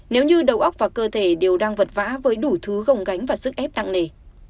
nếu như đầu óc và cơ thể đều đang vật vã với đủ thứ gồng gánh và sức ép nặng nề